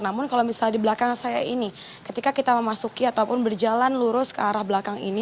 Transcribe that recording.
namun kalau misalnya di belakang saya ini ketika kita memasuki ataupun berjalan lurus ke arah belakang ini